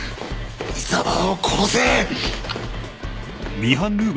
井沢を殺せ。